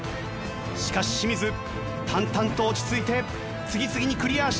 しかし清水淡々と落ち着いて次々にクリアしていきます。